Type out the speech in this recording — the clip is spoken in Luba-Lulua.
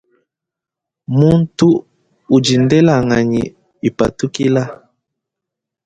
Muntu udi ndelanganyi ipatukila.